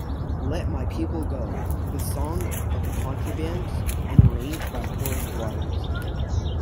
Let My People Go: The Song of the Contrabands, and arranged by Horace Waters.